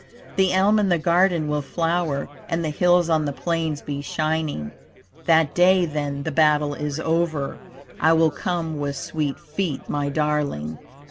The elm in the garden will flower And the hills on the plains be shining. That day, then the battle is over, I will come with swift feet, my Darling.